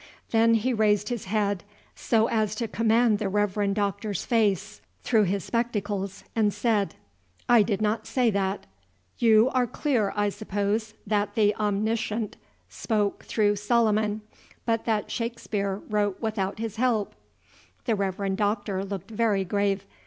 Then he raised his head, so as to command the Reverend Doctor's face through his spectacles, and said, "I did not say that. You are clear, I suppose, that the Omniscient spoke through Solomon, but that Shakespeare wrote without his help?" The Reverend Doctor looked very grave.